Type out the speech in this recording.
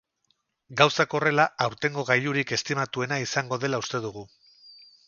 Gauzak horrela, aurtengo gailurik estimatuena izango dela uste dugu.